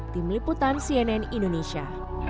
tim liputan cnn indonesia